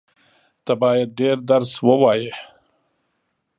ته بايد ډېر درس ووایې.